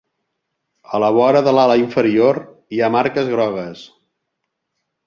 A la vora de l'ala inferior hi ha marques grogues.